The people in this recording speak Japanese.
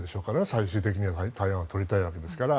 最終的には台湾を取りたいわけですから